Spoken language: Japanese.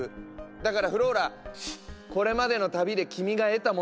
だからフローラこれまでの旅で君が得たもの。